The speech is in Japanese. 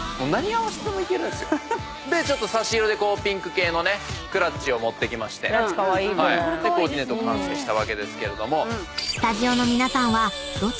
でちょっと差し色でピンク系のクラッチを持ってきましてコーディネート完成したわけですけれども。